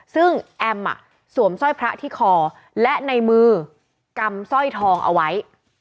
ซึ่งแอมสวมสร้อยพระที่คอและในมือกำสร้อยทองเอาไว้